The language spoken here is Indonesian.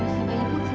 udah kan sayang